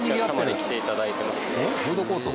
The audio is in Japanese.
フードコート？